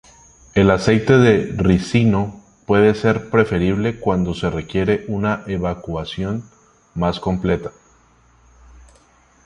El aceite de ricino puede ser preferible cuando se requiere una evacuación más completa.